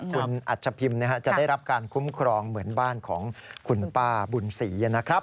คุณอัชพิมพ์จะได้รับการคุ้มครองเหมือนบ้านของคุณป้าบุญศรีนะครับ